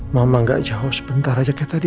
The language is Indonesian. mama gak jauh sebentar aja kayak tadi